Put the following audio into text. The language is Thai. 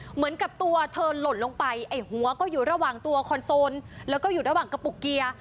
เหมือนกับตัวเธอหล่นลงไปไอ้หัวก็อยู่ระหว่างตัวคอนโซลแล้วก็อยู่ระหว่างกระปุกเกียร์